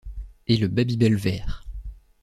Et le Babybel vert.